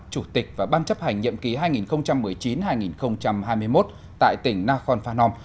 chủ tịch và ban chấp hành nhiệm ký hai nghìn một mươi chín hai nghìn hai mươi một tại tỉnh nakhon phanom